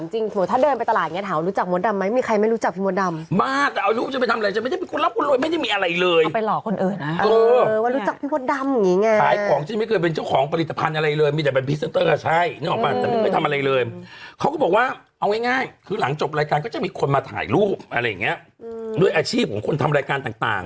หลังจบรายการก็จะมีคนมาถ่ายรูปอะไรอย่างเนี้ยอืมด้วยอาชีพของคนทำรายการต่างต่าง